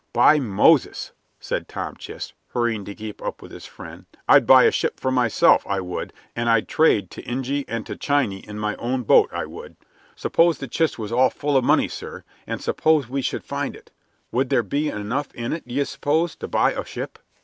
"By Moses!" said Tom Chist, hurrying to keep up with his friend, "I'd buy a ship for myself, I would, and I'd trade to Injy and to Chiny to my own boot, I would. Suppose the chist was all full of money, sir, and suppose we should find it; would there be enough in it, d'ye suppose, to buy a ship?"